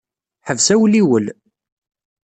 Ḥbes awliwel.